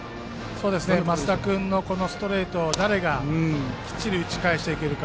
升田君のストレートを誰がきっちり打ち返していくか。